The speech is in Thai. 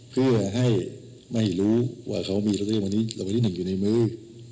เพื่อให้ไม่รู้ว่าเขามีระเบิดนิ่งอยู่ในมือ